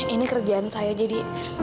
ini kerjaan saya jadi